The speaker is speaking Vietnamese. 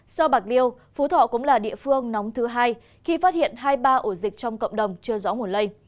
sau bạc liêu phú thọ cũng là địa phương nóng thứ hai khi phát hiện hai mươi ba ổ dịch trong cộng đồng chưa rõ nguồn lây